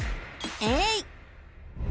「えい！」